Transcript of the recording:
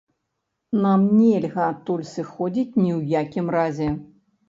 Нам нельга адтуль сыходзіць ні ў якім разе.